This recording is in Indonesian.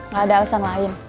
gak ada alasan lain